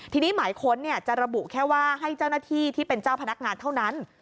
ทีนี้หมายค้นจะระบุแค่ว่าให้เจ้าหน้าที่ที่เป็นเจ้าพนักงานเท่านั้น